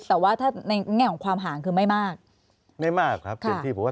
แต่ว่าถ้าในแง่ของความห่างคือไม่มากไม่มากครับอย่างที่ผมว่า